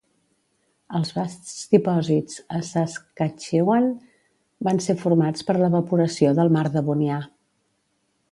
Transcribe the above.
Els vasts dipòsits a Saskatchewan van ser formats per l'evaporació del mar Devonià.